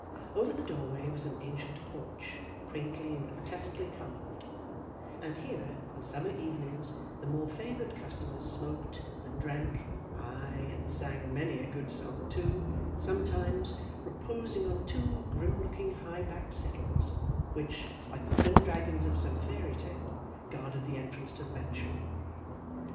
Over the doorway was an ancient porch, quaintly and grotesquely carved; and here on summer evenings the more favoured customers smoked and drank ay, and sang many a good song too, sometimes reposing on two grim looking high backed settles, which, like the twin dragons of some fairy tale, guarded the entrance to the mansion.